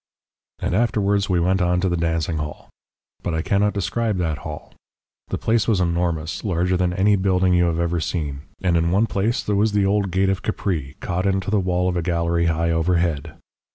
"And afterwards we went on to the dancing hall. But I cannot describe that hall. The place was enormous larger than any building you have ever seen and in one place there was the old gate of Capri, caught into the wall of a gallery high overhead.